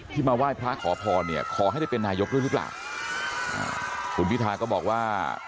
มาไหว้พระขอพรเนี่ยขอให้ได้เป็นนายกด้วยหรือเปล่าคุณพิธาก็บอกว่า